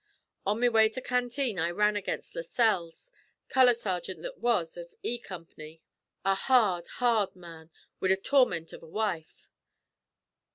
"On me way to canteen I ran against Lascelles, color sergint that was av E Comp'ny a hard, hard man, wid a tormint av a wife.